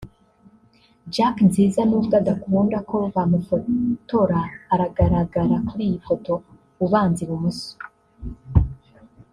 (Jack Nziza n’ubwo adakunda ko bamufotora aragaragara kuri iyi foto (ubanza i bumoso)